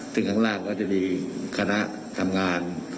ซึ่งข้างล่างก็จะมีคณะทำงาน